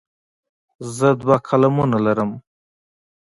زه دوه قلمونه لرم.